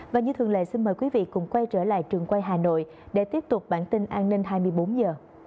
và như thường lệ xin mời quý vị cùng quay trở lại trường quay hà nội để tiếp tục bản tin an ninh hai mươi bốn h